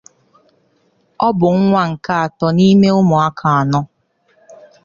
Ọ bụ nwa nke atọ n’ime ụmụaka anọ.